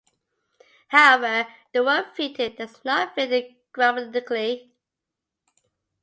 However, the word "fitted" does not fit grammatically.